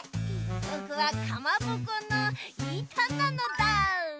ぼくはかまぼこのいたなのだ。